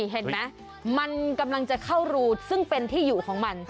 เห็นไหมมันกำลังจะเข้ารูซึ่งเป็นที่อยู่ของมัน